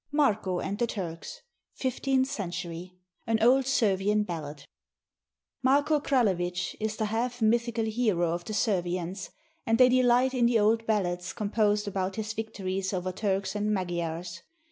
MARKO AND THE TURKS [Fifteenth century] AN OLD SERVIAN BALLAD [Marko Kralevich is the half mythical hero of the Servians, and they delight in the old ballads composed about his vic tories over Turks and Magyars.